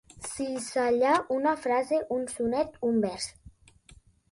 Cisellar una frase, un sonet, un vers.